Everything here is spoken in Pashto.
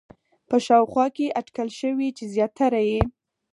په شاوخوا کې اټکل شوی چې زیاتره یې